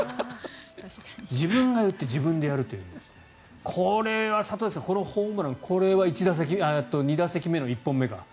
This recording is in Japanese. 自分が言って自分でやるというこれは里崎さん、このホームランこれは２打席目の１本目か。